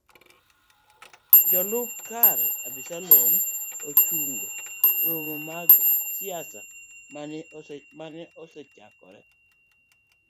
Jalup ker Absalom ochungo romo mag siasa mane osechano.